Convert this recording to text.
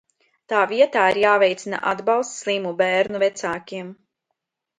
Tā vietā ir jāveicina atbalsts slimu bērnu vecākiem.